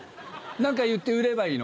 何か言って売ればいいの？